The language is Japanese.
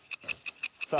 さあ。